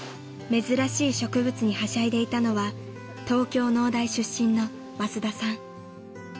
［珍しい植物にはしゃいでいたのは東京農大出身の］